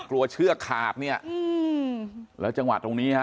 กลัวเชื่อคาบแล้วจะมาตรงนี้น่ะ